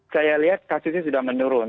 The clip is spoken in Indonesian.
saya lihat kasusnya sudah menurun